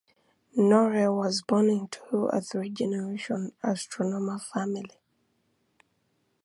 Knorre was born into a three-generation astronomer family.